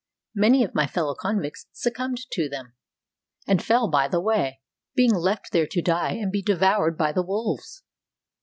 Many of my fellow convicts succumbed to them, and fell by the way, being left there to die and be devoured by the wolves.